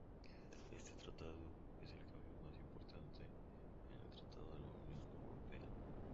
Este tratado es el cambio más importante en el Tratado de la Unión Europea.